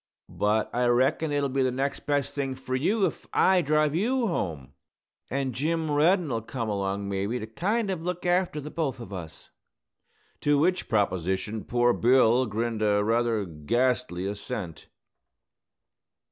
But I reckon it'll be the next best thing fur you if I drive you home. An' Jim Reddin'll come along, maybe, to kind of look after the both of us." To which proposition poor Bill grinned a rather ghastly assent.